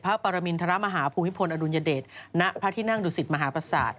ปรมินทรมาฮาภูมิพลอดุลยเดชณพระที่นั่งดุสิตมหาประสาท